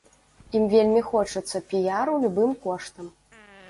Ім вельмі хочацца піяру любым коштам.